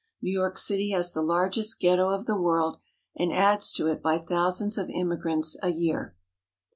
New York City has the largest Ghetto of the world, and adds to it by thousands of im migrants a year.